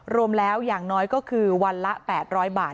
รวมแล้วอย่างน้อยก็คือวันละ๘๐๐บาท